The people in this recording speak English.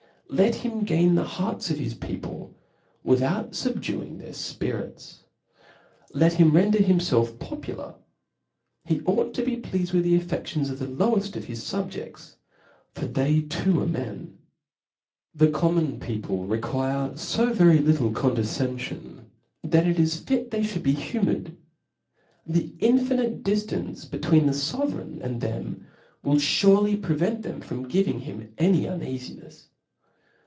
Let him gain tbe hearts of his people, without fubduing their )fpirit€. JLej him rprjder h.imfelf popgkr \ he ought to be pleafcd with the. a,fFedions of the lowcft of his fubjeds,^ for they fooarp n>en. The common peo ple require lb very JiHle condefcenfioni that it i$ fil* |hey flipuld be hjLin)pured i the infinite diftance be *'■ tween the fovf reign and tbem will, furely prevent . thern from giving hin) any uneafinefs.